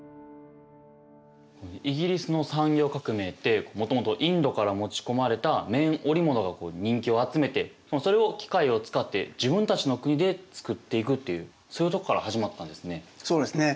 イギリスの産業革命ってもともとインドから持ち込まれた綿織物が人気を集めてそれを機械を使って自分たちの国で作っていくっていうそういうとこから始まったんですね。